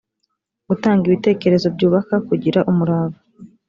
gutanga ibitekerezo byubaka kugira umurava